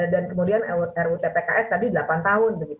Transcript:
dan kemudian rutpks tadi delapan tahun